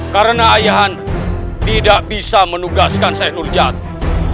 karena ayah anda tidak bisa menugaskan senur jatuh